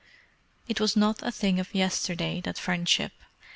It was not a thing of yesterday, that friendship.